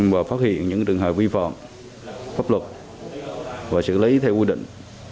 vừa phát hiện những trường hợp vi phạm pháp luật và xử lý theo quy định